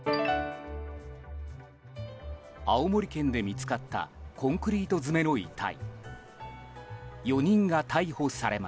青森県で見つかったコンクリート詰めの遺体。